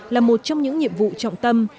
là một trong những nhiệm vụ trọng tâm